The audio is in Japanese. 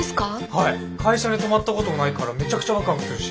はい会社に泊まったこともないからめちゃくちゃワクワクするし。